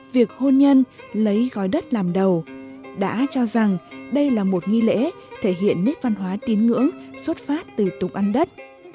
việc hôn nhân lấy gói đất làm đầu đã cho rằng đây là một nghi lễ thể hiện nét văn hóa tín ngưỡng xuất phát từ tục ăn đất